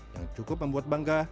yang cukup membuat bangga